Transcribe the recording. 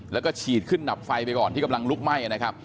แล้วก็ฉีดขึ้นดับไฟไปก่อนที่กำลังลุกไหม้นะครับ